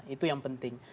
itu yang penting